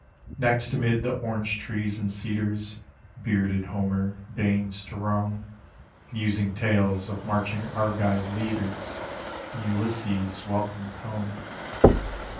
Next amid the orange trees and cedars Bearded Homer deigns to roam, Musing tales of marching Argive leaders, And Ulysses welcomed home.